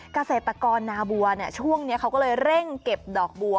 กาศัยปกรณ์นาบัวเนี่ยช่วงนี้เขาก็เลยเร่งเก็บดอกบัว